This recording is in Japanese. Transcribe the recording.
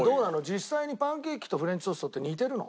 実際にパンケーキとフレンチトーストって似てるの？